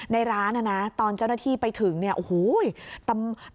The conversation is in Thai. ในร้านนะนะตอนเจ้าหน้าที่ไปถึงเนี่ยโอ้โห